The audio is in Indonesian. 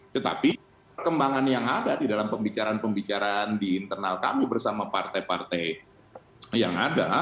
tetapi perkembangan yang ada di dalam pembicaraan pembicaraan di internal kami bersama partai partai yang ada